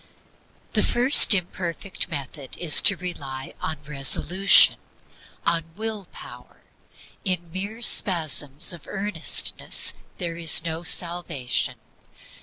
I. The first imperfect method is to rely on RESOLUTION. In will power, in mere spasms of earnestness, there is no salvation.